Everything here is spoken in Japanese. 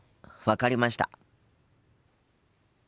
分かりました。